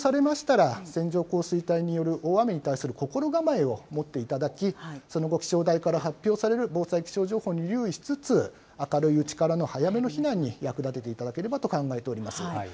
この情報が発表されましたら、線状降水帯による大雨に対する心構えを持っていただき、その後、気象台から発表される防災気象情報に留意しつつ、明るいうちから早めの避難に役立てていただければと考えております。